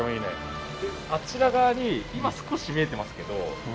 あちら側に今少し見えてますけど富士山が。